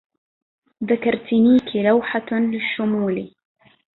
ذكرتنيك روحة للشمول